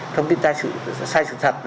thông tin sai sự thật